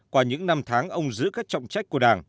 qua những năm tháng ông giữ các trọng trách của đảng